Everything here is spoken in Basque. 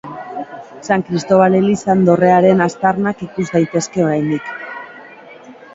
San Kristobal elizan dorrearen aztarnak ikus daitezke oraindik.